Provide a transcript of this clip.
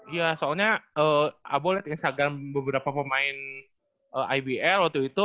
iya soalnya abo lihat instagram beberapa pemain ibl waktu itu